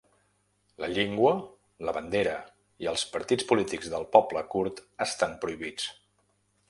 La llengua, la bandera i els partits polítics del poble kurd estan prohibits.